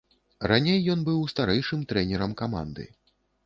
Раней ён быў старэйшым трэнерам каманды.